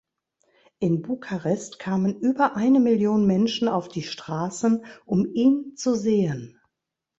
In Bukarest kamen über eine Million Menschen auf die Straßen, um ihn zu sehen.